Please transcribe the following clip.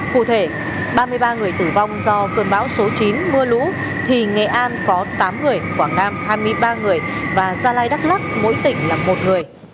cụ thể ba mươi ba người tử vong do cơn bão số chín mưa lũ thì nghệ an có tám người quảng nam hai mươi ba người và gia lai đắk lắc mỗi tỉnh là một người